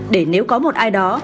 để nếu có một ai đó